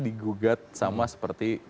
digugat sama seperti